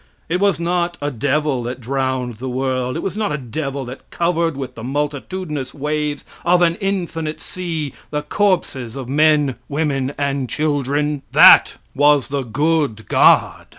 It was not a devil that drowned the world; it was not a devil that covered with the multitudinous waves of an infinite sea the corpses of men, women and children. That was the good god.